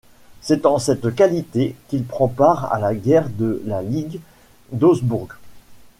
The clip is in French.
C'est en cette qualité qu'il prend part à la guerre de la Ligue d'Augsbourg.